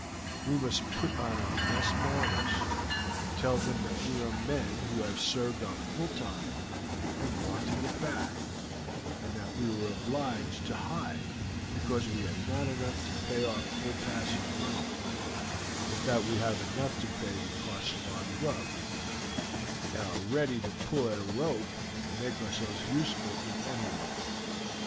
We must put on our best manners, and tell them that we are men who have served our full time, and want to get back, and that we were obliged to hide because we had not enough to pay our full passage money, but that we have enough to pay the cost of our grub, and are ready to pull at a rope and make ourselves useful in any way.